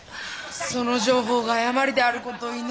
その情報が誤りであることを祈るよ。